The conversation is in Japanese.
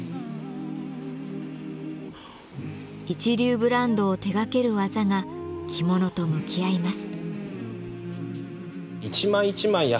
一流ブランドを手がける技が着物と向き合います。